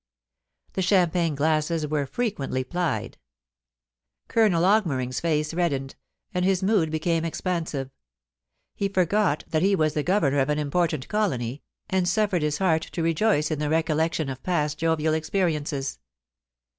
The champagne glasses were frequently plied. Colonel Augmering's face reddened, and his mood became expan sive. He forgot that he was the Governor of an important colony, and suffered his heart to rejoice in the recollection of past jovial experiences.